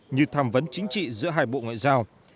như tham vấn chính trị giữa hai bộ ngoại giao